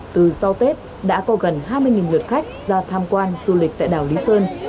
từ sau tết đã có gần hai mươi lượt khách ra tham quan du lịch tại đảo lý sơn